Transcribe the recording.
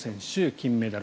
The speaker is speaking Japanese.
金メダル。